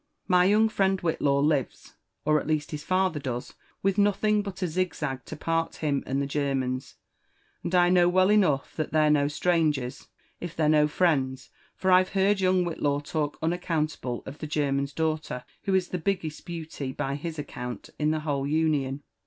My young friend Whillaw lives— or at least his father does, with nothing but a zig zag to part him and the Germans ; and I know well enougih that they're no strai^gers, if they*re no friends, for I've heard young Whitkw talk unaccountable of the German's daughter^ who is the biggest beauty, by his account, in the whole. Uaion.